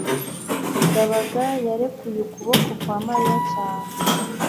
ndabaga yarekuye ukuboko kwa mariya cyane